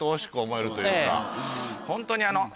ホントにあの。